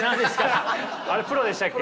あれプロでしたっけ。